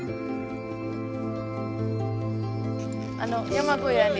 山小屋に。